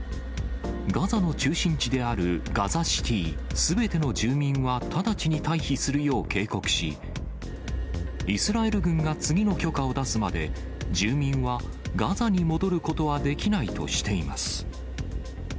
ガザの中心地であるガザシティーすべての住民は直ちに退避するよう警告し、イスラエル軍が次の許可を出すまで、住民はガザに戻ることはできないとしています。